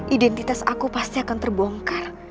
identitas aku pasti akan terbongkar